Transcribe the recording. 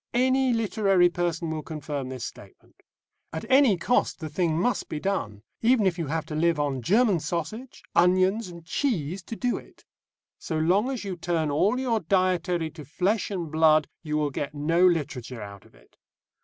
Any literary person will confirm this statement. At any cost the thing must be done, even if you have to live on German sausage, onions, and cheese to do it. So long as you turn all your dietary to flesh and blood you will get no literature out of it.